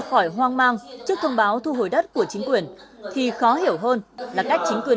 khỏi hoang mang trước thông báo thu hồi đất của chính quyền thì khó hiểu hơn là cách chính quyền